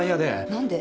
何で？